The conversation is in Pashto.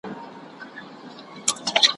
پکښي لوښي د لکونو دي زعفران دي `